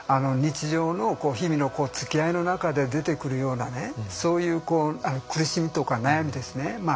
日常の日々のつきあいの中で出てくるようなねそういう苦しみとか悩みですね。